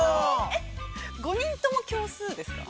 ◆えっ、５人とも凶数ですか？